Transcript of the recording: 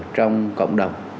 trong cộng đồng